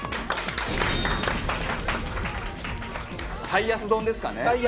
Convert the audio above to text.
最安丼ですかね。